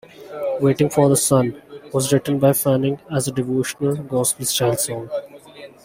"Waiting for the Sun" was written by Fanning as a devotional, gospel style song.